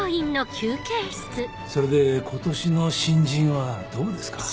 それで今年の新人はどうですか？